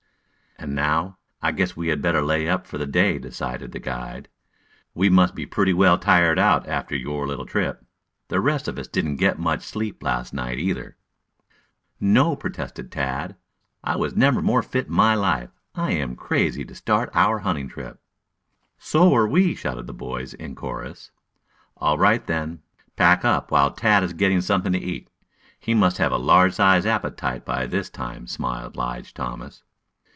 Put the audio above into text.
"And now, I guess we had better lay up for the day," decided the guide. "You must be pretty well tired out after your little trip. The rest of us didn't get much sleep last night, either." "No," protested Tad. "I never was more fit in my life. I am crazy to start on our hunting trip." "So are we," shouted the boys in chorus. "All right, then. Pack up while Tad is getting something to eat. He must have a large sized appetite by this time," smiled Lige Thomas.